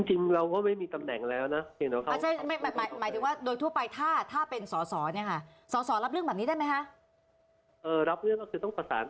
จริงเราก็ไม่มีตำแหน่งแล้วนะ